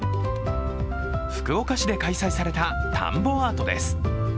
福岡市で開催された田んぼアートです。